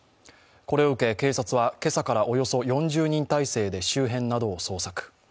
これを受け、警察は今朝からおよそ４０人態勢で周辺などを捜索。